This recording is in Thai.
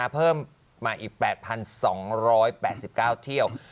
เพิ่มมาอีก๘๒๘๙เที่ยว